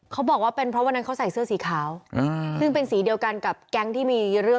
ก็เรามาเลยเห็นมีเที่ยวสนับมือ